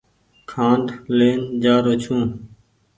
کآنڊ لين جآرو ڇون۔